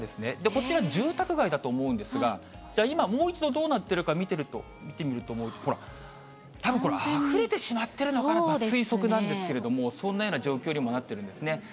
こちら住宅街なんですが、じゃあ、今、もう一度、どうなっているか見てみると、たぶんこれ、あふれてしまってるのかなと推測なんですけれども、そんなような状況にもなっているんですね。